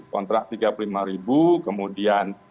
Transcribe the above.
kontrak rp tiga puluh lima kemudian